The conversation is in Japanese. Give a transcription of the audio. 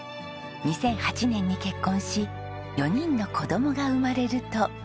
２００８年に結婚し４人の子供が生まれると。